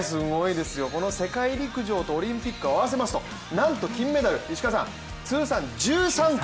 この世界陸上とオリンピック合わせますとなんと金メダル、通算１３個。